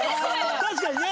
確かにね。